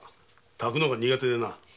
炊くのが苦手でな。